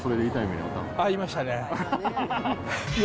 遭いましたね。